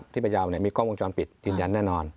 ที่ประเยาะมีก้องวงจรปิดยืนยันแน่นอน